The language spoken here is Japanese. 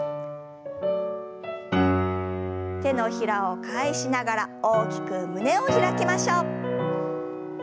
手のひらを返しながら大きく胸を開きましょう。